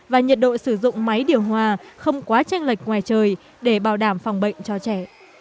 và nhiệt độ sử dụng máy điều hòa không quá tranh lệch ngoài trời để bảo đảm phòng bệnh cho trẻ